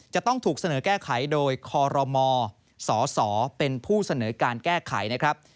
จะต้องถูกเสนอแก้ไขโดยคอรมสสเป็นผู้เสนอการแก้ไขนะครับ